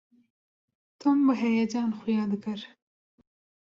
Tom bi heyecan xuya dikir.